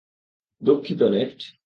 দুঃখিত, নেট।